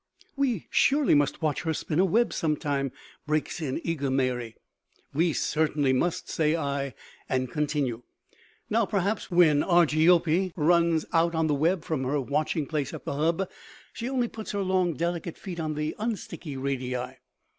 "We surely must watch her spin a web sometime," breaks in eager Mary. "We certainly must," say I, and continue. "Now perhaps when Argiope runs out on the web from her watching place at the hub, she only puts her long delicate feet on the unsticky radii.